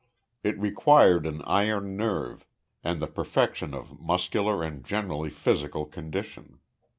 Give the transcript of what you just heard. It required an iron nerve, and the perfection of muscular, and generally physical, condition.